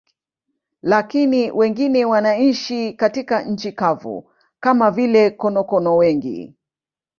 Lakini wengine wanaishi katika nchi kavu, kama vile konokono wengi.